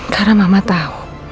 karena mama tahu